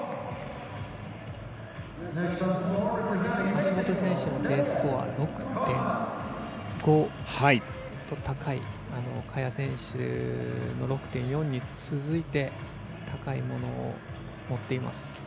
橋本選手Ｄスコア６．５と萱選手の６．４に続いて高いものを持っています。